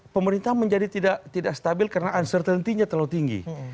pemerintah menjadi tidak stabil karena uncertainty nya terlalu tinggi